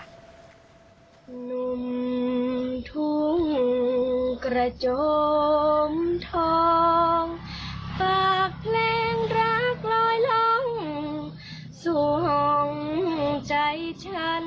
หนุ่มทุ่งกระจมทองฝากเพลงรักลอยลงสู่ห้องใจฉัน